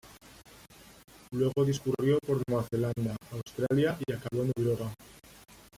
Luego discurrió por Nueva Zelanda, Australia y acabó en Europa.